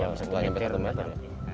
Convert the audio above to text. tidak sampai satu meter